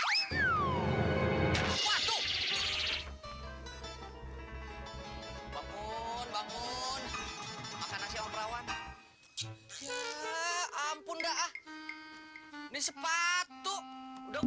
eh pancingan gue dikedet